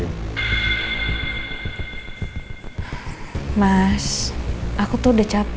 abangnya ga ada uang